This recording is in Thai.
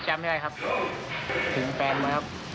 แชมป์นี้ใครอยากแตกครับ